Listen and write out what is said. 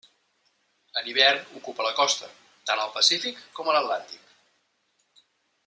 En hivern ocupa la costa, tant al Pacífic com a l'Atlàntic.